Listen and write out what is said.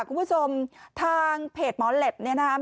คุณผู้ชมทางเพจหมอลับนี่นะฮะ